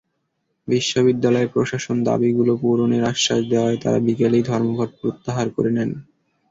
বিশ্ববিদ্যালয় প্রশাসন দাবিগুলো পূরণের আশ্বাস দেওয়ায় তাঁরা বিকেলেই ধর্মঘট প্রত্যাহার করে নেন।